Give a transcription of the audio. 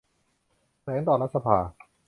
แถลงต่อรัฐสภา